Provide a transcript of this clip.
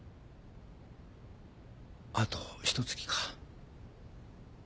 あとひと月か。